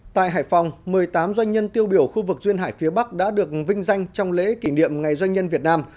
tại hải phòng một mươi tám doanh nhân tiêu biểu khu vực duyên hải phía bắc đã được vinh danh trong lễ kỷ niệm ngày doanh nhân việt nam